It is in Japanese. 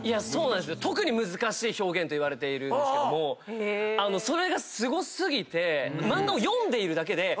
特に難しい表現といわれているんですけどもそれがすご過ぎて漫画を。